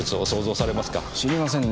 知りませんね